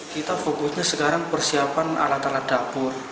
kita fokusnya sekarang persiapan alat alat dapur